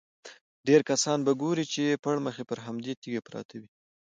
ډېری کسان به ګورې چې پړمخې پر همدې تیږې پراته وي.